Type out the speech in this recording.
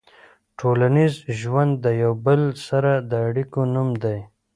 ټولنیز ژوند د یو بل سره د اړیکو نوم دی.